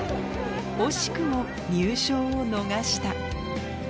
惜しくも入賞を逃した。